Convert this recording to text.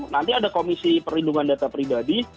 nanti ada komisi perlindungan data pribadi